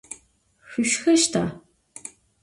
Şüşxeşta?